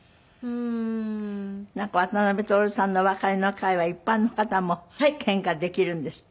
なんか渡辺徹さんのお別れの会は一般の方も献花できるんですって？